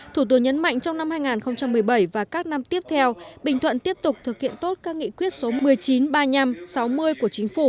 thủ tướng nhấn mạnh trong năm hai nghìn một mươi bảy và các năm tiếp theo bình thuận tiếp tục thực hiện tốt các nghị quyết số một mươi chín ba mươi năm sáu mươi của chính phủ